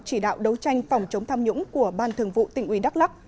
chỉ đạo đấu tranh phòng chống tham nhũng của ban thường vụ tỉnh uy đắk lắc